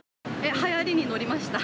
はやりに乗りました。